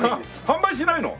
販売しないの？